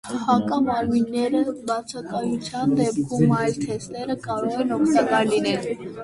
Հակամարմինների բացակայության դեպքում այլ թեստերը կարող են օգտակար լինել։